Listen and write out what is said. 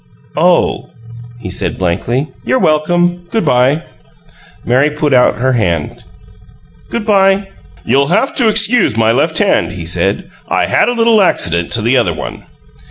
"Oh," he said, blankly. "You're welcome. Good by." Mary put out her hand. "Good by." "You'll have to excuse my left hand," he said. "I had a little accident to the other one."